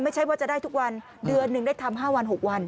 ไม่ใช่ว่าจะได้ทุกวันเดือนหนึ่งได้ทำ๕วัน๖วัน